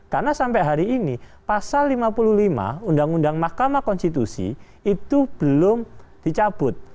karena sampai hari ini pasal lima puluh lima undang undang mahkamah konstitusi itu belum dicabut